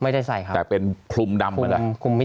แต่เป็นคลุมดำ